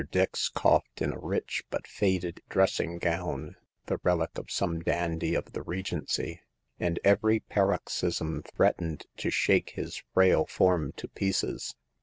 Dix coughed in a rich but faded dressing gown, the relic of some dandy of the Regency ; and every paroxysm threatened to shake his frail form to pieces.